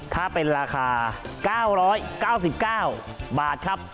ถ้าเป็นราคา๙๙๙บาทครับ